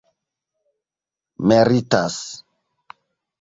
meritas